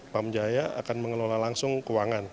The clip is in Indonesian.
pamjaya akan mengelola langsung keuangan